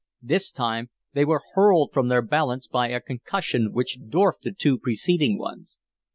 This time they were hurled from their balance by a concussion which dwarfed the two preceding ones.